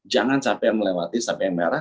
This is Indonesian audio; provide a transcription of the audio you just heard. jangan sampai melewati sampai yang merah